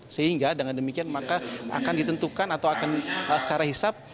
sehingga dengan demikian maka akan ditentukan atau akan secara hisap